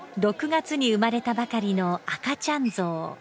６月に生まれたばかりの赤ちゃん象。